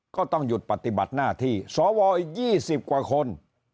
ก็ต้องหยุดปฏิบัติหน้าที่สวอีก๒๐กว่าคน